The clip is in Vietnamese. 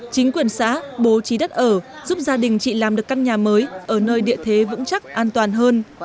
chính quyền xã bố trí đất ở giúp gia đình chị làm được căn nhà mới ở nơi địa thế vững chắc an toàn hơn